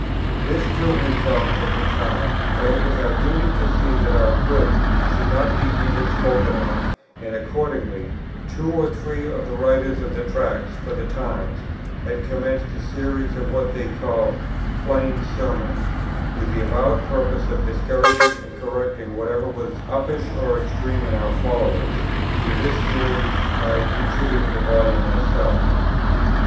This too we felt at the time; but it was our duty to see that our good should not be evil spoken of; and accordingly, two or three of the writers of the Tracts for the Times had commenced a Series of what they called "Plain Sermons" with the avowed purpose of discouraging and correcting whatever was uppish or extreme in our followers: to this Series I contributed a volume myself.